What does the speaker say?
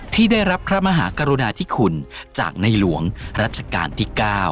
ที่ได้รับพระมหากรุณาธิคุณจากในหลวงรัชกาลที่๙